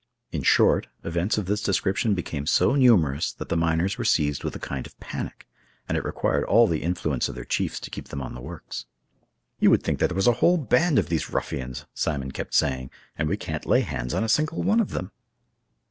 In short, events of this description became so numerous that the miners were seized with a kind of panic, and it required all the influence of their chiefs to keep them on the works. "You would think that there was a whole band of these ruffians," Simon kept saying, "and we can't lay hands on a single one of them."